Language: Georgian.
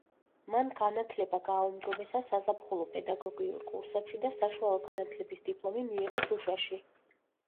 მან განათლება გააუმჯობესა საზაფხულო პედაგოგიურ კურსებში და საშუალო განათლების დიპლომი მიიღო შუშაში.